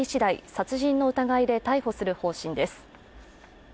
殺人の疑いで逮捕する方針です。